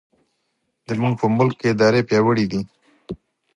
زموږ په ملک کې ادارې پیاوړې دي.